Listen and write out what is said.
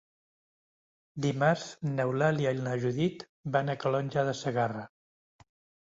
Dimarts n'Eulàlia i na Judit van a Calonge de Segarra.